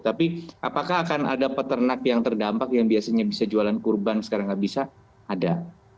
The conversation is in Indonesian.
tapi apakah akan ada peternak yang terdampak yang biasanya bisa jualan kurban sekarang nggak bisa ada